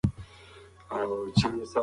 سهار وختي د مرغانو په غږ راویښ شوو.